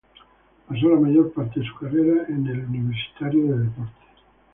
Pasó la mayor parte de su carrera en Universitario de Deportes.